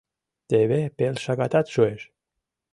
Теве пел шагатат шуэш.